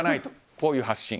こういう発信。